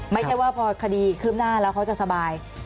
ไม่ใช่ว่าพอคดีคืบหน้าแล้วเขาจะสบาย